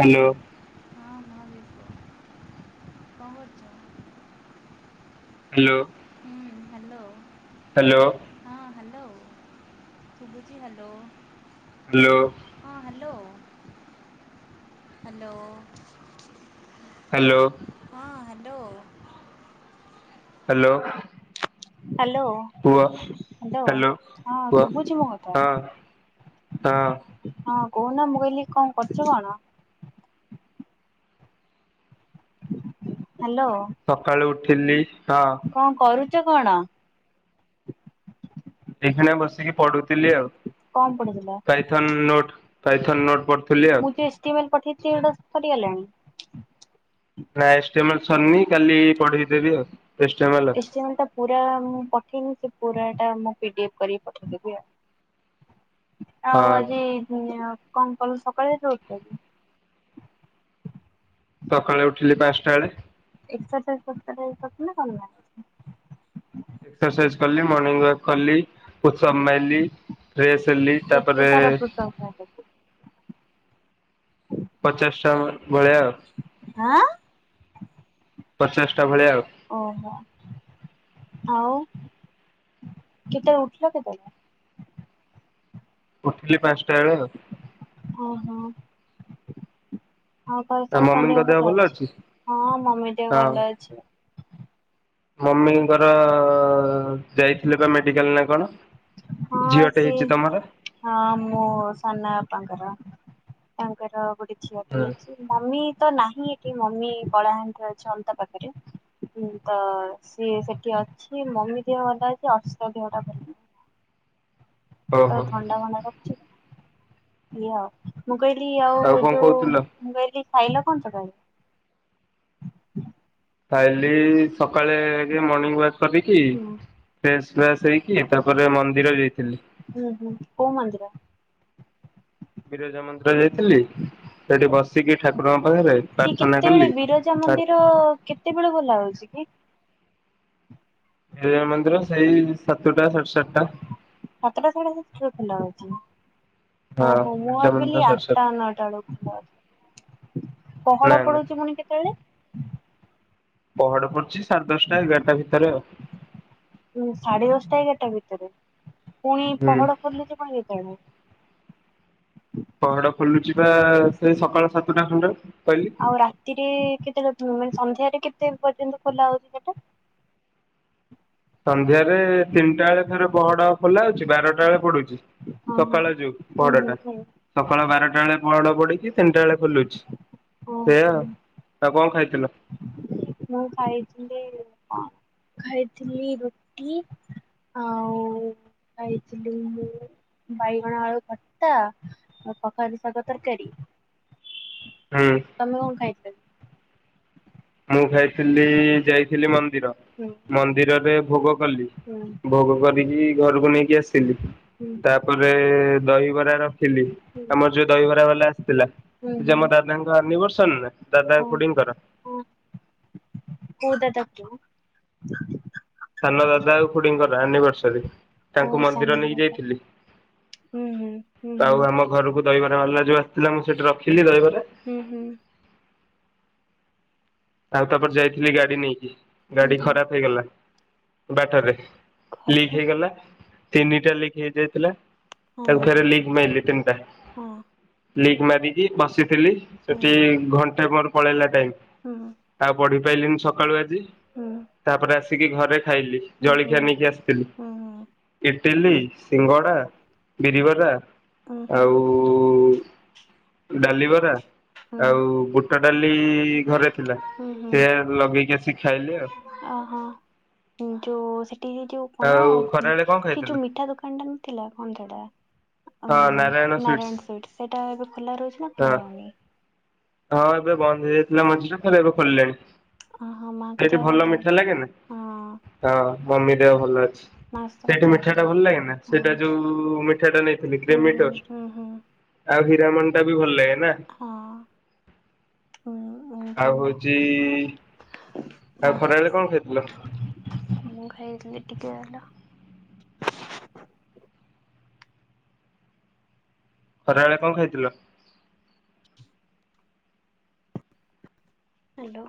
Hello ହଁ କଣ କରୁଛ? ହ୍ୟାଲୋ ହୁଁ ହ୍ୟାଲୋ ହ୍ୟାଲୋ ହଁ ହ୍ୟାଲୋ ଶୁଭୁଛି ହ୍ୟାଲୋ ହ୍ୟାଲୋ ହଁ ହ୍ୟାଲୋ ହ୍ୟାଲୋ ହ୍ୟାଲୋ ହଁ ହ୍ୟାଲୋ। ହ୍ୟାଲୋ ହଁ। ହ୍ୟାଲୋ କୁହ ହ୍ୟାଲୋ ହଁ କୁହ ଶୁଭୁଛି ମୋ କଥା ହଁ ହଁ ହ କହୁନା ମୁଁ କହିଲି କଣ କରୁଛୁ କଣ? ହ୍ୟାଲୋ ସକାଳୁ ଉଠିଲି ହଁ କଣ କରୁଛ। କରୁଚ କଣ? ଏକେଲା ବସିକି ପଢୁଥିଲି ଆଉ କଣ ପଢୁଥିଲ ପାଇଥନ ନୋଟ୍ ପାଇଥନ୍ ନୋଟ ପ। ମୁଁ ଯେ ଏଷ୍ଟିମେଲ ପଠେଇଥିଲି। ସେଇଡ଼ା ସରିଗଲାଣି ନାଇଁଏଷ୍ଟିମେଲ୍ ସରିନି କାଲି ପଢେଇ ଦେବି ଆଉ ଏଷ୍ଟେମଲ ଏଷ୍ଟିମେଲ୍ ଟା ପୁରା ମୁଁ ପଠେଇନି। ପୁରା ଟା ମୁଁ ପିଡିଏଫ୍ କରିକି ପଠେଇଦବି ଆଉ ହଁ ଆଉ ଆଜି କଣ କଲୁ ସକାଳେ ଯେତେବେଳେ ଉଠିଲୁ। ସକାଳେ ଉଠିଲି ପାଞ୍ଚଟା ବେଳେ [unintelligible] ଏକ୍ସରସାଇଜ କଲି ମର୍ଣିିଂ ୱାକ କଲି ପୁଷପ୍ ମାରଲି ଫ୍ରେଶ ହେଲି କେତେ ତାପରେ ଥର ପୁସଅପ୍ ମାରିଲକି? ପଚାଶ ଟା ଭଳିଆ ଆଁ? ପଚାଶ ଟା ଭଳିଆ ଆଉ ଓହୋ ଆଉ କେତେବେଳେ ଉଠିଲ କେତେବେଳେ ଉଠିଲି ପାଞ୍ଚ ଓ ହୋ [inaudible] ତମ ଘରେ ଆଉ ସମସ୍ତଙ୍କ ମମିଙ୍କ ଦେହ ଭଲ ଅଛ ଅଛି? ହଁ ମମି ଦେହ ହଁ ଭଲ ଅଛି ମମିଙ୍କର ଯାଇଥିଲେ ବା ମେଡିକାଲ ନା କଣ? ହଁ ଝିଅଟେ ସିଏ ହେଇଛି ତମର ହଁ ମୋ ସାନ ବାପାଙ୍କର ତାଙ୍କର ଗୋଟେ ଝିଅ ଟେ ହଁ ହେଇଛି ମମି ତ ନାହିଁ ଏଠି ମମି କଳାହାଣ୍ଡିରେ ଅଛି ଅନ୍ତା ପାଖରେ ତ ସିଏ ସେଠି ଅଛି ମମି ଦେହ ଅଛି ଅର୍ସିତ ଦେଅ ଟା ଭଲ। ତାକୁ ଓହୋ ଥଣ୍ଡା ମନା କରିଚି। [unintelligible] ମୁଁ କହିଲି ଆଉ କଣ ଯୋଉ କହୁଥିଲ? ମୁଁ କହିଲି ଖାଇଲ କଣ ତମେ ଖାଇଲି ସକାଳେ ମର୍ନିଙ୍ଗ ୱାକ୍ କରିକି ହୁଁ ଫ୍ରେସ୍ ଫ୍ରେସ୍ ହେଇକି ତାପରେ ମନ୍ଦିର ଯାଇଥିଲି ହୁଁ ହୁଁ କୋଉ ମନ୍ଦିର ବିରଜା ମନ୍ଦିର ଯାଇଥିଲି ସେଠି ବସିକି ଠାକୁରଙ୍କ ପାଖରେ ସିଏ ପ୍ରାର୍ଥନା କେତେବେଳେ କଲି ବିରଜା ତା ମନ୍ଦିର କେତେବେଳେ ଖୋଲା ହଉଛି କି? ବିରଜା ମନ୍ଦିର ସେଇ ସାତଟା ସା ସାତଟା ସାଢ଼େ ସାତଟା ଖୋଲା ହଉଛି, ହଁ ଓହୋ ମୁଁ ବିରଜା ମନ୍ଦିର ଭାବିଲି ସାଢେ ଆଠଟା ସାତଟା ନଅଟା ବେଳକୁ ଖୋଲା ହଉଚି, ନା ପହଡ ନା ପଡୁଉଛି ପୁଣି କେତେବେଳେ? ପହଡ ପଡୁଚି ସାଢେ ଦଶଟା ଏଗାରଟା ଭିତରେ ଆଉ, ଉଁ ସାଢ଼େ ଦଶଟା ଏଗାରଟା ଭିତରେ ପୁଣି ହୁଁ ପହଡ ଖୋଲିଲେ ଯେ ପୁଣି କେତେବେଳେ, ପହଡ ଖୋଲୁଛି ବା ସେ ସକାଳ ସାତଟା ଖଣ୍ଡେ, କହିଲି। ଆଉ ରାତିରେ କେତେବେଳେ ମାନେ ସନ୍ଧ୍ୟାରେ କେତେ ପର୍ଯ୍ୟନ୍ତ ଖୋଲା ହଉଛି ସେଟା ସନ୍ଧ୍ୟା ରେ ତିନିଟା ବେଳେ ଥରେ ପହଡ ଖୋଲା ହାଉଛି ବାରଟା ବେଳେ ପଡୁଛି ହଁ ହଁ ସକାଳ ଯୋଉ ହୁଁ ପହଡ ହୁଁ ଟା ହୁଁ ସକାଳ ବାରଟା ଟାବେଳେ ପହଡ଼ ପଡ଼ଇ, ତିନିଟା ବେଳେ ଖୁଲୁଛି ସେଇୟାଉ ଓହୋ ଆଉ କଣ ଖାଇ ଖାଇଲ ମୁଁ ଖାଇଥିଲି କଣ ଖାଇଥିଲି ରୁଟି ଆଉ ଖାଇଥିଲି ମୁ ବାଇଗଣ ଆଳୁ ଖଟା ଆଉ କଖାରୁ ଶାଗ ତରକାରୀ, ହୁଁ ତମେ କଣ ଖାଇଚ? ମୁଁ ଖାଇଥିଲି ଯାଇଥିଲି ମନ୍ଦିର ହୁଁ ମନ୍ଦିରରେ [unintelligible] ଗଲି ହୁଁ ଭୋଗ କରିକି ଘରକୁ ନେଇକି ଆସିଲି ହୁଁ ତାପରେ ଦହିବରାର ଥିଲି ହୁଁ ଆମର ଯୋଉ ଦହିବରା ବାଲା ଆସିଥିଲା ହୁଁ ସେ ହୁଁ ଆମ ଦାଦାଙ୍କ ଆନିବର୍ସରୀ ନା ଦାଦା ଖୁଡିଙ୍କର ଓହୋ। କୋଉ ଦାଦା ଖୁଡି ସାନ ଦାଦା ଆଉ ଖୁଡିଙ୍କର ଆନିଭର୍ସରୀ ଓ ତାଙ୍କୁ ମନ୍ଦିର ସାନ ନେଇକି ଦାଦା ଯାଇଥିଲି, ହୁଁ ହୁଁ ହୁଁ ହୁଁ ଆଉ ଆମ ଘରକୁ ଦହିବରା ବାଲା ଯୋଉ ଆସିଥିଲା ମୁଁ ସେଠି ରଖିଲି ଦହିବରା ହୁଁ ହୁଁ, ଆଉ ତାପରେ ଯାଇଥିଲି ଗାଡି ନେଇକି ହୁଁ ଗାଡି ହୁଁ। ଖରାପ ହେଇଗଲା, ବଟରେ ଲିକ ଘରେ ହେଇଗଲା ତିନିଟା ଲିକ ହେଇଯାଇଥିଲା, ହଁ ତାକୁ ହଁ ଫେରେ ଲିକ ମାଇଲି ତିନଟା ଲପ୍ଟ ମାଗିକି ବସି ଥିଲି ହଁ ସେଠୀ ଘ ମୋର ପଳେଇଲା ଟାଇମ୍। ହୁଁ। ଆଉ ପଢି ପାଇଲିିନି ସକାଳୁ ଆଜି ହୁଁ ତାପରେ କି ଘରେ ଖାଇଲି ହୁଁ ହୁଁ ହୁଁ। ଜଳଖିଆ ନେଇକି ଆସିଥିଲି ଇଟିଲି ସିଙ୍ଗଡ଼ା, ବିରିବରା ହୁଁ ହୁଁ ହୁଁ ଆଉ ଡାଲି ବରା ହୁଁ ହୁଁ ଆଉ ଗୋଟ ଗୋଟା ଡ଼ାଲି ଘରେ ଥିଲା ହୁଁ ହୁଁ ସେଆ ଲଗେଇକି ଆସିକି ଖାଇଲି ଆଉ। - ଓହୋ ଯୋଉ ସେ ଯୋଉ କଣ ଆଉ ଖରାବେଳେ କଣ ସେ ଖାଇଥିଲ? ଯୋଉ ମିଠା ଦୋକାନଟା ନଥିଲା କଣ ସେଇଟା ହଁ ସୁଇଟ୍ସ। ନାରାୟଣ ସୁଇଟ। ସେଇଟା ଏବେ ଖୋଲା ରହୁଛି ନା ଖୋଲା ହଁ ରହୁନି? ହଁ ଏବେ ବନ୍ଦ ହେଇଯାଇଥିଲା ମଝିରେ ଫେରେ ଏବେ ଖୋଲିଲେଣି। ଆହା, ମାଙ୍କ ଦେଆ ଭଲ ଅଛି? ହଁ। ହଁ ମମି ଦେହ ଭଲ ଅ ମାସ ସେଇଠି କଥା ମିଠାଟା ହେଇଥିଲା ଭଲ ଲାଗେନା। ସେଇଟା ହଁ ଯୋଉ ମିଠାଟା ନେଇଥିଲି ହୁଁ ହୁଁ କ୍ରୀମିଟର ହୁଁ ହୁଁ ଆଉ ତା ମନଟା ବି ଭଲ ଲାଗେ। ନା, ହଁ ହୁଁ ଆଉ ଯୋଉ ହଉଛି ଆଉ ନା ଖରାବେଳେ କଣ ଖାଇଥିଲ? ମୁଁ ଖାଇଥିଲି ଟିକେ ରହିଲ। ଖରାବେଳେ କଣ ଖାଇଥିଲ? ହ୍ୟାଲୋ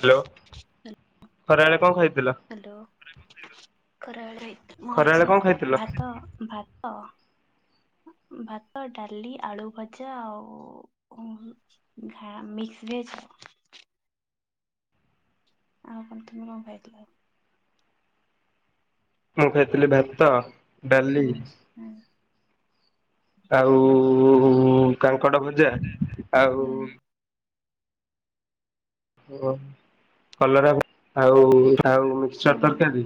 ହ୍ୟାଲୋ, ଖରାବେଳେ କଣ ଖାଇ ହ୍ୟାଲୋ ଖରାବେଳେ ମୁଁ ଖରାବେଳେ ଆଜି କଣ ଖାଇଥିଲ? ଭାତ ଭାତ ଭାତ, ଡାଲି, ଆଳୁ ଭଜା ଆଉ ମିକସ ଭେଜ। ଆଉ ପ୍ରଥମେ କଣ ଖାଇଥଲ? ମୁଁ ଖାଇଥିଲି ଭାତ, ଡାଲି ହୁଁ ହୁଁ ଆଉ ଉଁ କାଙ୍କଡ ଭଜା ଆଉ ହୁଁ ଓ କଲରା ଭଜା ଆଉ ଆଉ ମିକ୍ସଚର ହୁଁ ତରକାରୀ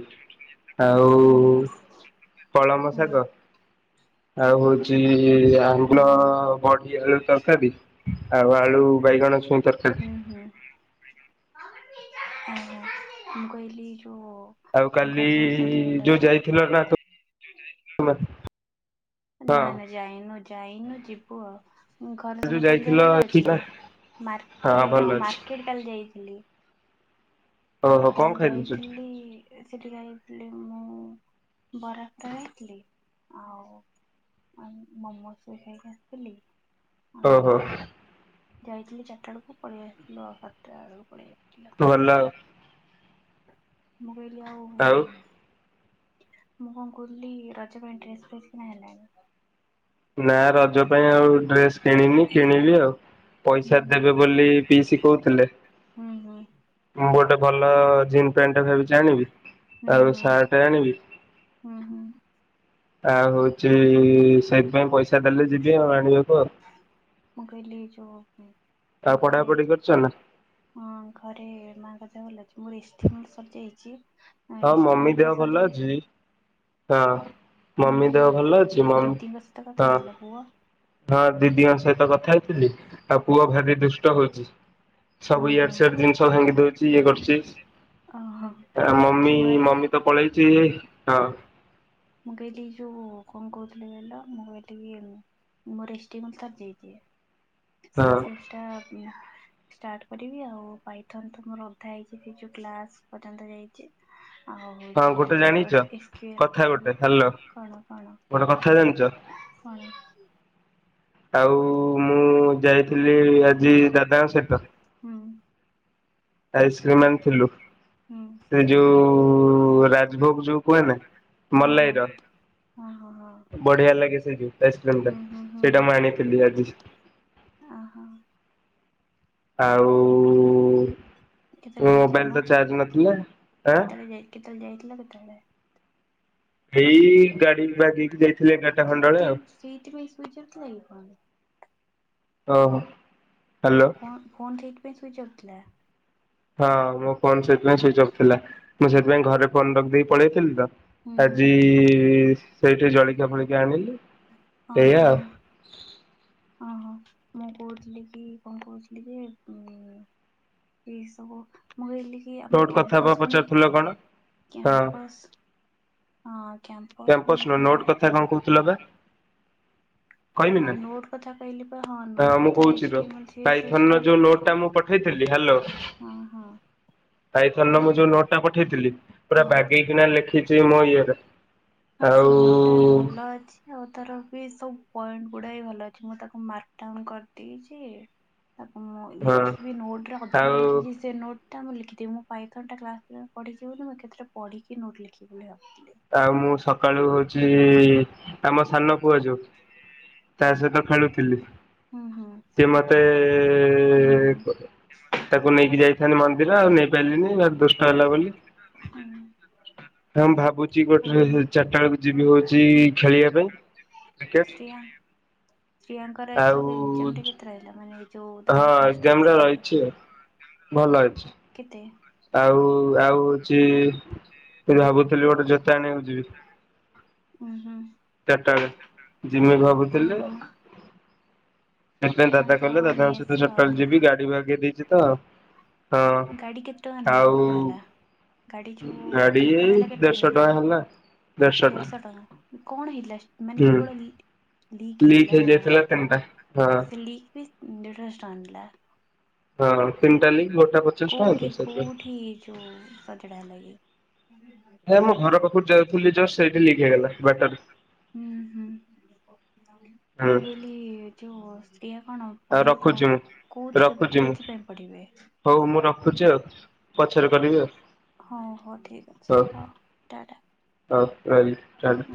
ଆଉ ହୁଁ କଳମ ହୁଁ ଶାଗ ଆଉ ହଉଛି ଆମ୍ବୁଲ ଅହଁ ବଡ଼ି କୋବି ଆଳୁ ତରକାରୀ ଆଉ ଆଳୁ ବାଇଗଣ ଛୁଇଁ ତରକାରୀ ହୁଁ ହୁଁ। ଆଉ ମୁଁ କହିଲି ଯୋଉ ଆଉ କାଲି ଘରେ ସମସ୍ତଙ୍କ ଦେହ ଭଲ ଯୋଉ ଅଛି ନା? ଯାଇଥିଲ ନା ତୁ ନା ନା ଯାଇନୁ ଯାଇନୁ ଯିବୁ ଆଉ। ଘରେ ଯୋଉ ସମସ୍ତଙ୍କ ଦେହ ଯାଇଥିଲ ଭଲ ଅଛି ଏଠିକି ନା? ମାର୍କେଟ ଭଲ ହଁ ଅଛି ମାର୍କେଟ କାଲି ଯାଇଥିଲି। ଓହୋ କଣ କାଲି ଖାଇଲୁ ସେଠି ଯାଇଥିଲି ସେଠିକି ଯାଇଥିଲି ମୁଁ ବରା ଫରା ଖାଇଥିଲି ଆଉ ମୋମୋ ବି ଖାଇକି ଆସିଥିଲି। ଓହୋ। ଆଉ ଯାଇଥିଲି ଚାରିଟା ବେଳକୁ ପଳେଇ ଆସିଥିଲୁ ସାତଟା ବେଳକୁ ପଳେଇଆସିଥିଲୁ। ଭଲ ଆଉ। ମୁଁ କହିଲି ଆଉ? ମୁଁ କଣ କହୁଥିଲି ରଜ ପାଇଁ ଡ୍ରେସ ଫେସ୍ କିଣା ହେଲାଣି? ନା ରଜ ପାଇଁ ଆଉ ଡ୍ରେସ କିଣିନି କିଣିବି ଆଉ, ହୁଁ ପଇସା ହୁଁ ଦେବେ ବୋଲି ପିଇସି କହୁଥିଲେ ହୁଁ ହୁଁ ଗୋଟେ ଭଲ ଜିନ୍ ପ୍ୟାଣ୍ଟ ଟା ଭାବିଚି ଆଣିବି ଆଉ ହୁଁ ସାର୍ଟ ଆଣିବି ହୁଁ ହୁଁ। ଆଉ ହଉଚ ପାଇଁ ପଇସା ଦେଲେ ଯିବି ଯିବା ଆଣିବାକୁ ଆଉ। ମୁଁ କହିଲି ଯୋଉ ଆଉ [inaudible] ଘରେ ପଢାପଢି କରୁଛ ନା? ହଁ ଘରେ ମାଆଙ୍କ ଭଲ ଅଛି ମୋର [unintelligible] ସରିଯାଇଛି। ହଁ ଏସ୍ ଟି ମମି ମିଲ୍ ଟା ଦେହ ଭଲ ସରିଲେ ଅଛି [inaudible] ହଁ। ମୁଁ ମମି କହିଲି ଦେହ ଭଲ ଅଛି, ମମି ଦିଦିଙ୍କ ସହିତ ହଁ କଥା ହେଇଥିଲ ପୁଅ ହଁ ଦିଦିଙ୍କ ସହିତ କଥା ହେଇଥିଲି ଆଉ ପୁଅ ଭାରି ଦୁଷ୍ଟ ହଉଛି। [inaudible] ସବୁ ଓହୋ ଇଆଡ଼େ ସିଆଡେ ଜିନିଷ ଭାଙ୍ଗି ଦଉଛି ଇଏ କରୁଛି ଓହୋ [inaudible] ଆମ ଏ ମ ଛୁଆଟେ ମମି ତ ପଳାେଇଛି ହଁ [inaudible] ମୁଁ କହିଲି ଯୁ କଣ କୋହୁଥିଲି କହିଲ ମୋର [unintelligible] ଏଶ ଟିମଲ ସରଦେଇଦଏ- ହଁ ସେ ସେେଷ ଟା- ଷ୍ଟଟ୍ କରିବି ଆଉ ପାଇଥାନ୍ ତ ମୋର ଅଧା ହେଇଛି ଗ୍ସ ପର୍ଯ୍ୟନ୍ତ ଯାଇଛି ହଁ ଗୋଟେ ଆଉ ଜାଣିଛ କଥା ସ୍କିଲ ଗୋଟେ [unintelligible] ହାଲୋ କଣ କଣ ଗୋଟେ କଥା ଜାଣିଛ କଣ- ଆଉ ମୁଁ ଯାଇଥିଲି ଆଜି ଦାଦାଙ୍କ ସହିତ ହୁଁ ଆଇସ୍କ୍ରିମ ଆଣିଥିଲୁ ହୁଁ [inaudible] ସେ ଯୋଉ ରାଜଭୋଗ ଯୋଉ କୁହେ ନା ହଁ ମଲାଇ ହଁ ର ହଁ ହଁ ହଁ। [inaudible] ବଢିଆ ଲାଗେ ସେ ଯୋଉ ଆଇସ୍କ୍ରିମ ଟା ହୁଁ ହୁଁ ହୁଁ ସେଇଟା ମୁଁ ଆଣିଥିଲି ଆଜି ଓହୋ ଆଉ ମୋ କେତେବେଳେ [inaudible] ଯାଇଥିଲା ମୋବାଇଲ ମୁଁ ତ ଚାର୍ଜ ନଥିଲା ଆଁ କେତେବେଳେ ଯାଇ କେତେବେଳେ ଯାଇ କଟ ଏଇ ଗାଡି ଭଗେଇକି ଯାଇଥିଲେ ଗାଟା ଖଣ୍ଡ ସେଠି ଆଉ [inaudible] ସେଇଥିପାଇଁ ସୁଇଚ୍ ଅଫ୍ ଥିଲା କି ଫୋନ୍? ଓହୋ ହାଲୋ। ଫ ଫୋନ୍ ଠିକ ସୁଇଜ୍ ଅଫ୍ ଥିଲେ- ହଁ ମୋ ଫୋନ ସେଥିପାଇଁ ସୁଇଚ ଅଫ୍ ଥିଲା, ମୁଁ ସେଥିପାଇଁ ଘରେ ଫୋନ ରଖି ଦେଇକି ପଳେଇଥିଲି ତ- ହୁଁ ହୁଁ ଆଜି ସେଇଠି ଜଳିକଆ ଫଳିକଆ ଆଣିଲି ସେଇଆ ଓହୋ ଓହୋ ମୁଁ କହୁଥିଲି କି କଣ କହୁଥିଲି ଯେ ଉ ଏଇ ସବୁ ମୁଁ କହିଲି କି ଆମର ନୋଟ୍ କଥା ବା କ୍ୟାମ୍ପସ ପୁଣି ପଚାରୁଥିଲ କଣ? ହଁ କ୍ୟାମ୍ପସ୍ ହ କ୍ୟାମ୍ପସ ର ନୋଟ୍ କଥା କଣ କହୁଥିଲ ବା କହିବି ହଁ ନା ନୋଟ କଥା କହିଲି ପ ହଁ ନୋଟ ମୁଁ କଥା ଏ କହୁଛି ର ପାଇଥନ ର ଟା ଯୋଉ ନୋଟ ଟା ମୁଁ ପଠେଇଥିଲି ହଁ ହଁ ଆାଇଥନ ମୁଁ ଯୋଉ ନୋଟ ଟା ପଠେଇଥିଲି ପୁରା ହଁ ବାଗେଇକିନା ଲେଖିଛି ମୋ ଇଏରେ ହଁ ସେ ଆଉ ନୋଟ ଟା ଭଲ ଅଛି ଆଉ ତାର ସବୁ ପଏଣ୍ଟ ଗୁଡା ଭଲ ଅଛି ମୁଁ ତାକୁ ମାର୍କଡାଉନ କରିଦେଇଛି। ତାକୁ ମୁଁ ହଁ ଲେଖିବି ନୋଟ ରେ କଧାରେ ଆଉ ଲେଖିକି ସେ ନୋଟ ମୁଁ ଲେଖିଦି ମୁଁ ପାଇଥଟା୍ ପିବ ବୋଲିଁ କେତ ପଢିକି ନୋଟ୍ ଲେଖି ଭଳି ଆଉ ଆଉ ମୁଁ ସକାଳୁ ଆମ ସାନ ପୁଅ ଯୋଉ ତା ସହିତ ଖେଳୁଥିଲି ହୁଁ ହୁଁ ସେ ମତେ ହୁଁ ହୁଁ ତାକୁ ନେଇକି ଯାଇଥାନ୍ତି। ଦେଲା ଆଉ ନେଇପାରିଲିନି ଭାରି ଦୁଷ୍ଟ ହେଲା ବୋଲି ହୁଁ ହଁ ମୁଁ ଭାବୁଛି ଗୋଟେ ଓହୋ। ଚାରିଟା ବେଳକୁ ଯିବି ହଉଛି ଖେଳିବା ପାଇଁ କ୍ରିକେଟ ତୋର ଆଉ ଏଥରକ ଏକ୍ଜାମ ରେ କେତ ରହିଲା ମାନେ ଏ ହଁ ଏକ୍ଜାମ ରେ ରହିଛି ଆଉ। ଭଲ ଅଛି। କେତେ? ଆଉ ଆଉ ହଉଛି। ସେଠି ଭାବୁଥିଲି ଗୋଟେ ଜୋତା ଆଣିବାକୁ ଯିବି ଉଁ ହୁଁ ଟାରେ ଯିମି ଭାବୁଥିଲେ। ଓହୋ ସେଥିପାଇଁ ହଁ ଦାଦା କହିଲେ ଯାଅ ନେଇ ଦାଦାଙ୍କ ସହିତ ଆସିବ ଆଉ ଜଟଲି ଯିବି ଗାଡି ବାଗେଇ ଦେଇଛି ତ ହଁ ଗାଡି କେତେ ଟଙ୍କା ନେଲା ଆଉ ବାଗହେଲା ଗାଡି ଯୋଉ ଗାଡି ଠିକ ଏଇ କରାହେଲା କେତେ ଦେଢଶହ ଟଙ୍କା ନୋ ହେଲା ଦେଢଶହ ଟଙ୍କା କଣ ହେଇଥିଲା ମାନେ ହୁଁ। କେବଳ ଲିକ୍ ଲିକ୍ ହେଇଥିଲା ନା କଣ? ହେଇଯାଇଥିଲା ତିନିଟା ହଁ। ସେ ଲିକ୍ ବି ଦେଢ଼ଶହଟଙ୍କା ନେଲା। ହଁ ତିନିଟା ଲିକ୍ ଗୋଟା ପଚାଶ ଟଙ୍କା କୋଉଠି ତ ସେଥିପାଇଁ। କୋଉଠି ଯୋଉ ସଜଡା ହେଲା କି? ହେ ମୋ ଘର ପାଖରୁ ଯାଉଥିଲି ଯଷ୍ଟ ସେଇଠି ଲିକ୍ ହେଇଗଲା ବାଟରେ ହୁଁ ହୁଁ ହୁଁ ମୁଁ କହିଲି ଯେଉଁ ଶ୍ରୀଆ। ଆଉ ପଢିବେ କଣ ରଖୁଛି ମୁଁ। କୋଉଥିରେ ରଖୁଛି ମୁଁ କୋଉଥିପାଇଁ ପଢିବେ। ହଉ ମୁଁ ରଖୁଛି ଆଉ ପଛରେ କରିବି ଆଉ। ହଁ ହଉ ଠିକ ଅଛି ହଉ ଟାଟା। ହଉ ରହିଲି। ଚାଲ।